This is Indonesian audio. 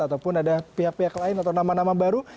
ataupun ada pihak pihak lain atau nama nama baru